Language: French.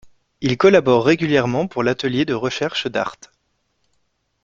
Il collabore régulièrement pour l’atelier de recherche d’Arte.